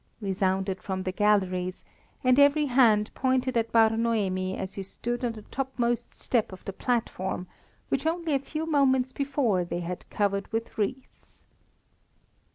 resounded from the galleries, and every hand pointed at Bar Noemi as he stood on the topmost step of the platform which only a few moments before they had covered with wreaths.